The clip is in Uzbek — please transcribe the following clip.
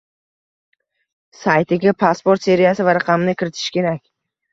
Saytiga pasport seriyasi va raqamini kiritish kerak